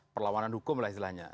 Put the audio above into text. perlawanan hukum adalah istilahnya